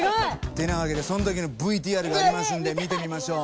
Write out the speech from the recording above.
てなわけでそん時のＶＴＲがありますんで見てみましょう。